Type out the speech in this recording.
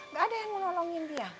nggak ada yang mau nolongin dia